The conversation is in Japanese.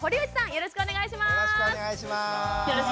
よろしくお願いします。